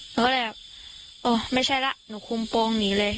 หนูก็เลยแบบโอ้ไม่ใช่แล้วหนูคุมโปรงหนีเลย